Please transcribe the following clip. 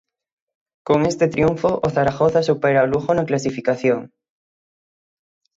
Con este triunfo, o Zaragoza supera o Lugo na clasificación.